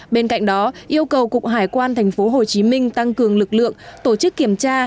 bên cạnh đó yêu cầu cục hải quan tp hcm tăng cường lực lượng tổ chức kiểm tra